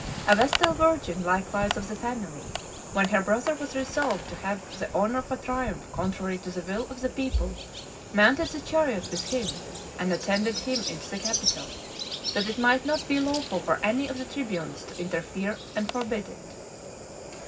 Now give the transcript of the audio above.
A Vestal Virgin likewise of the family, when her brother was resolved to have the honour of a triumph contrary to the will of the people, mounted the chariot with him, and attended him into the Capitol, that it might not be lawful for any of the tribunes to interfere and forbid it.